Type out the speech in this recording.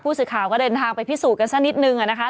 สื่อข่าวก็เดินทางไปพิสูจน์กันสักนิดนึงนะคะ